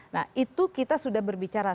nah itu kita sudah berbicara